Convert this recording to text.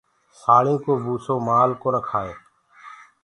ساݪينٚ ڪو بوُسو مآل ڪونآ کآئي۔